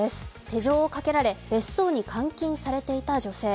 手錠をかけられ別荘に監禁されていた女性。